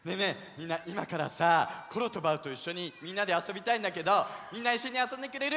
みんないまからさコロとバウといっしょにみんなであそびたいんだけどみんないっしょにあそんでくれる？